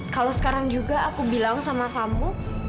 kalau sekarang juga aku bilang sama kamu